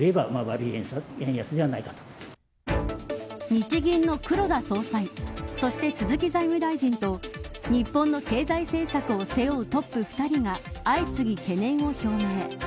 日銀の黒田総裁そして、鈴木財務大臣と日本の経済政策を背負うトップ２人が相次ぎ懸念を表明。